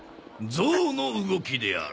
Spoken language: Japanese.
ゾウの動きである！